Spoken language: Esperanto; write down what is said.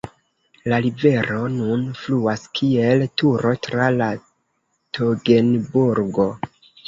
La rivero nun fluas kiel Turo tra la Togenburgo.